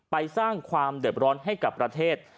สร้างความเดือบร้อนให้กับประเทศ